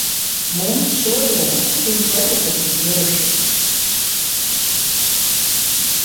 Mums šodien simt četrpadsmit mirušie.